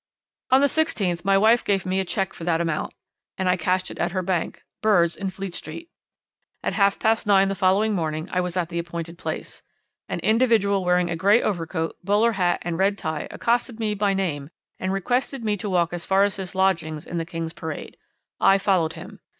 "'"On the 16th my wife gave me a cheque for the amount and I cashed it at her bank Bird's in Fleet Street. At half past nine the following morning I was at the appointed place. An individual wearing a grey overcoat, bowler hat, and red tie accosted me by name and requested me to walk as far as his lodgings in the King's Parade. I followed him.